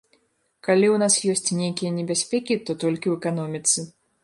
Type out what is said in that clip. Калі ў нас ёсць нейкія небяспекі, то толькі ў эканоміцы.